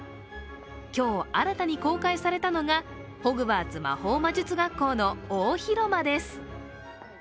今日、新たに公開されたのがホグワーツ魔法魔術学校の大広間です。